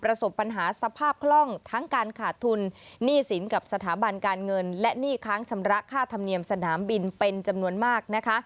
ประสบปัญหาสภาพคล่องทั้งการขาดทุนหนี้สินกับสถาบันการเงินและหนี้ค้างชำระค่าธรรมเนียมสนามบินเป็นจำนวนมากนะคะ